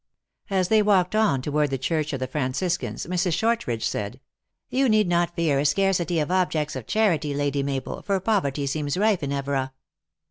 As they walked on toward the church of the Fran ciscans, Mrs. Shortridge said, "Yon need not fear a scarcity of objects of charity, Lady Mabel, for poverty seems rife in Evora."